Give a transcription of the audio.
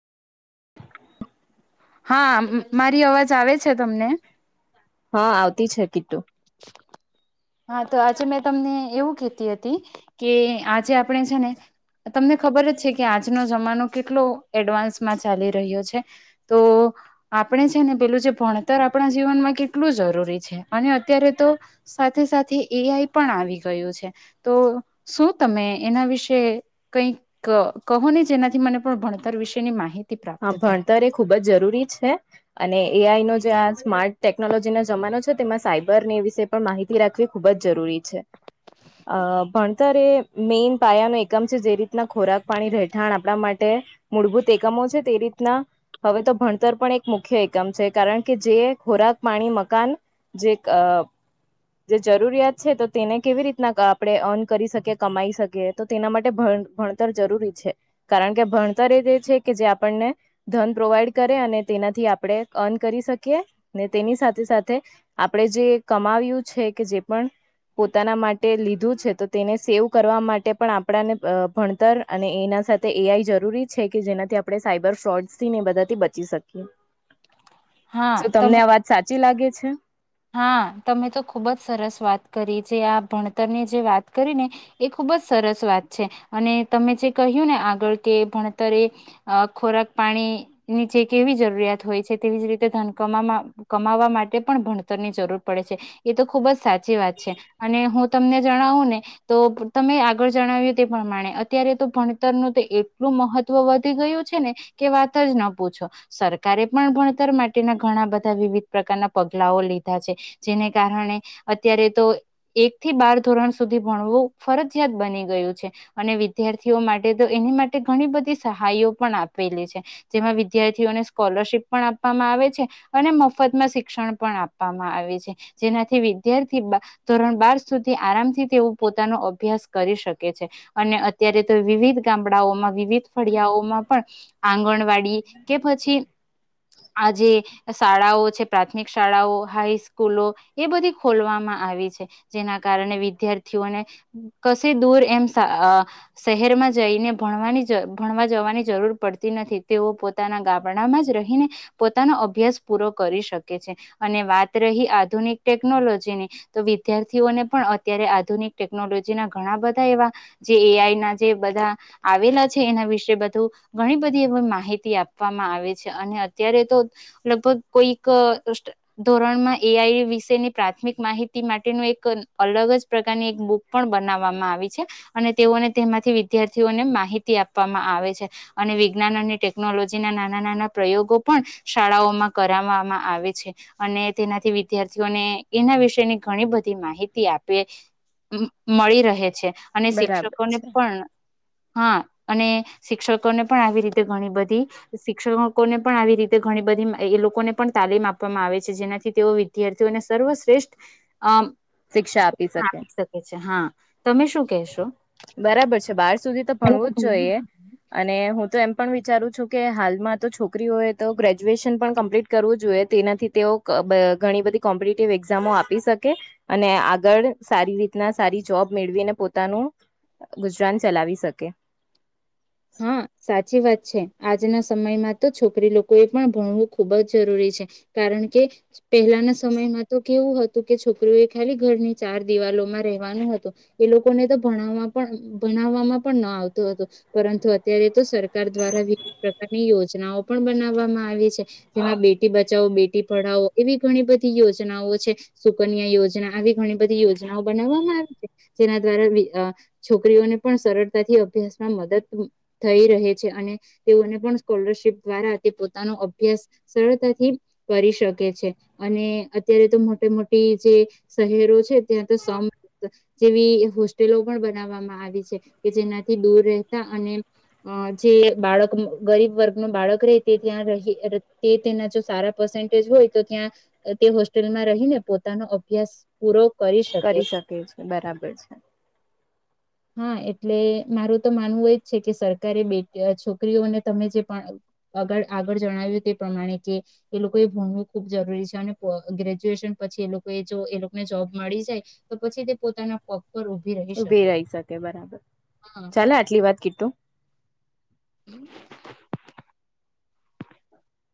હા મારી અવાજ આવે છે, તમને? હ આવતી છે, કીતુ હા તો આજે મેં તમને એવું કેતી હતી કે આજે આપણે છે, ને તમને ખબર જ છે, કે આજનો જમાનો કેટલો એડવાન્સમાં ચાલી રહ્યો છે. તો આપણે છે, ને પેલું જે ભણતર આપણા જીવનમાં કેટલું જરૂરી છે, અને અત્યારે તો સાથે સાથે એ આઈ પણ આવી ગયું છે, તો શું તમે એના વિશે કઈક કહો ને જેનાથી મને પણ ભણતર વિશેની માહિ હા ભણતર એ ખુબ જ જરૂરી છે, અને એ આઈ નો જે આ સ્મા ટેકનોલોજી ના જમાનો છે, તેમાં સાયબર ને એ વિશે પણ માહિતી રાખવી ખુબ જ જરૂરી છે, અ ભણ તર એ મેઇન પાયા ન એકમ છે, જે રીતના ખોરાક, પાણી, રહેઠાણ આપણા માટે મૂળભૂત એકમો છે, તે રીતના હવે તો ભણતર પણ એક મુખ્ય એકમ છે, કારણ કે જે ખોરાક, પાણી, મકાન જે અ જે જરૂરિયાત છે, તો તેને કેવી રીતના અ આપડે અન કરી શકીએ કમાઈ શકીએ? તો તેના માટે ભણ ભણતર જરૂરી છે, કારણ કે ભણતર એ તે છે, કે જે આ પણને ધન પ્રોવાઈડ કરે અને તેનાથી આપણે અન કરી શકીએ ને તેની સાથે સાથે આપણેે જે કમાવ્યું છે, કે જે પણ પોતાના માટે લીધું છે, તો તેને સેવ કરવા માટે પણ આપણાને અ ભણતર અને એના સાથે એઆઈ જરૂરી છે, કે જેનાથી આ પડે સાયબર ફ્રોડથીને બધાથી બચી શકીએ હા શુ તમે તમને આ વાત સાચી લાગે છે? હા તમે તો ખુબ જ સરસ વાત કરી જે આ ભણતરની જે વાત કરી ને એ ખૂબ જ સરસ વાત છે, અને તમે જે કહ્યું ને આગળ કે ભણતર એ અ ખોરાક પાણીની જે કેવી જરૂરિયાત હોય છે, તેવી જ રીતે ધન કમામા કમાવા માટે પણ ભણતરની જરૂર પડે છે. એ તો ખુબ જ સાચી વાત છે, અને હું તમને જણાવું ને તો તમે આગળ જણાવ્યું તે પ્રમાણે અત્યારે તો ભણતરનું તો એટલું મહ ત્વ વધી ગયું છે, ને કે વાત જ ન પૂછો સરકારે પણ ભણતર માટેના ઘણા બધા વિવિધ પ્રકારના પગલાઓ લી ધા છે, જેને કારણે અત્યારે તો એક થી બાર ધોરણ સુધી ભણવું ફરજિયાત બની ગયું છે. અને વિદ્યાર્થીઓ માટે તો એની માટે ઘણી બધી સહાયો પણ આપેલી છે. જેમાં વિદ્યાર્થીઓને સ્કોલરશીપ પણ આપવામાં આવે છે, અને મફતમાં શિક્ષણ પણ આ પામાં આવી છે, જેનાથી વિદ્યાર્થી બા ધોરણ બાર સુધી આરામથી તેઓ પોતાનો અભ્યાસ કરી શકે છે. અને અત્યારે તો વિવિધ ગામડાઓમાં વિવિધ ફળિયાઓમાં પણ આંગણવાડી કે પછી આજે શાળાઓ છે, પ્રાથમિક શાળાઓ હાઈસ્કૂલો એ બધી ખોલવામાં આવી છે, જેના કારણે વિદ્યાર્થીઓને કશે દૂર એમ સા અ શહેરમાં જઈને ભણવાની જ ભણવા જવાની જરૂર પડતી નથી તેઓ પો તાના ગામડામાં જ રહીને પોતાનો અભ્યાસ પૂરો કરી શકે છે, અને વા રહી આધુનિક ટેકનોલોજીને તો વિદ્યાર્થીઓને પણ અત્યારે આધુનિક ટેકનોલોજીના ઘણા બધા એવા જે એ આઈ ના જે બધા આવેલા છે, એના વિશે બધું ઘણી બધી એ માહિતી આપવામાં આવે છે, અને અત્યારે તો લગભગ કોઈક ધોરણમાં એ આઈ વિશેની પ્રાથમિક માહિતી માટેનું એક અલગ જ પ્રકારની એક બુ પણ બનાવવામાં આવી છે અને તેઓને તેમાંથી વિદ્યાર્થીઓને માહિતી આપવામાં આવે છે અને વિજ્ઞાન અને ટેકનોલોજી ના નાના નાના પ્રયોગો પણ શાળાઓમાં કરાવવામાં આવે છે અને તેનાથી વિદ્યાર્થીઓને એના વિષની ઘણી બધી માહિતી આપે મળી રહે છે અને બરાબર શિક્ષકોને છે પણ હા અને શિક્ષકોને પણ આવી રીતે ઘણી બધી શિક્ષકો ને પણ આવી રીતે ઘણી બધી એ લોકોને પણ તાલીમ આપવામાં આવે છે જેનાથી તેઓ વિદ્યાર્થીઓને સર્વશ્રેષ્ઠ અ શિક્ષા આપી શકે હા તમે શું કેશો બરાબર છે બાર સુધી તો ભણવું જ જોઈએ અને હું તો એમ પણ વિચારું છું કે હાલમાં તો છોકરીઓ એ તો ગ્રેજ્યુએશન પણ કમ્પ્લીટ કરવું જોઈએ તેનાથી તેઓ ઘણી બધી કોમ્પિટટિવ એક્ઝામો આપી શકે અને આગળ સારી રીતના સારી જોબ મેળવીને પોતાનું ગુજરાન ચલાવી શકે હ [inaudible] હા સાચી વાત છે આજના સમયમાં તો છોકરી લોકો એ પણ ભણવું ખૂબ જ જરૂરી છે કારણ કે પહેલાના સમયમાં તો કેવું હતું કે છોકરી એ ખાલી ઘરની ચાર દિવાલોમાં રહેવાનું હતું એ લોકોને તો ભણાવવામાં પણ ભણાવવામાં પણ ન આવતું હતું પરંતુ અત્યારે તો સરકાર દ્વારા વિવિધ પ્રકારની યોજનાઓ પણ બનાવવામાં આવી છે જેમાં બેટી બચાવો બેટી પઢાવો એવી ઘણી બધી યોજનાઓ છે સુકન્યા યોજના આવી ઘણી બધી યોજનાઓ બનાવવામાં આવી છે જેના દ્વારા છોકરીઓને પણ સરળતાથી અભ્યાસ માં મદદ થઈ રહે છે અને તેઓને પણ સ્કોલરશીપ દ્વારા તે પોતાનો અભ્યાસ સરળતાથી કરી શકે છે અને અત્યારે તો મોટે મોટી જે શહેરો છે ત્યાં તો સમ જેવી હોસ્ટેલો પણ બનાવ આવી છે કે જેનાથી દૂર રહેતા અને અ જે બાળક ગરીબ વર્ગ ન બાળક રહે તે ત્યાં ર તે તેના જો સારા પેજ હોય તો ત્યાં તે હોસ્ટેલમાં રહીને પોતાનો અભ્યાસ પૂરો કરી શકે છે બરાબર છે હા એટલે મારું તો માનવું એ છે કે સરકારે બે છોકરીઓને તમે જે પણ આગળ આગળ જણાવ્યું તે પ્રમાણે કે એ લોકોએ ભૂણવું ખૂબ જરૂરી છે અને ગ્રેજ્યુએશન પછી એ લોકો જો એ લોકોને જોબ મળી જાય તો પછી તે પોતાના પ રોભી રહે ઉભી રહી શકે બરાબર ચાલે આટલી વાત કીટું હમ